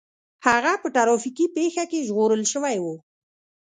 هغه په ټرافيکي پېښه کې ژغورل شوی و